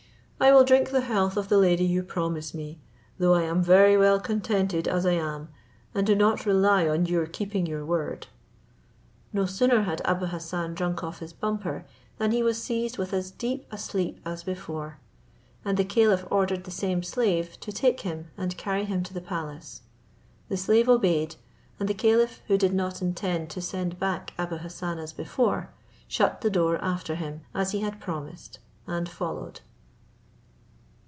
I will drink the health of the lady you promise me, though I am very well contented as I am, and do not rely on your keeping your word." No sooner had Abou Hassan drank off his bumper, than he was seized with as deep a sleep as before; and the caliph ordered the same slave to take him and carry him to the palace. The slave obeyed, and the caliph, who did not intend to send back Abou Hassan as before, shut the door after him, as he had promised, and followed.